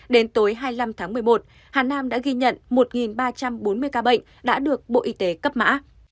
đến tối hai mươi năm tháng một mươi một hà nam đã ghi nhận một ba trăm bốn mươi ca bệnh đã được bộ y tế cấp mã